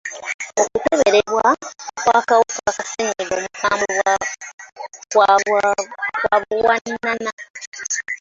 Okukeberebwa kw'akawuka ka ssennyiga omukambwe kwa buwanana.